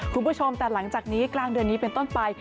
คุณผู้ชมแต่หลังจากนี้กลางเดือนนี้เป็นต้นไป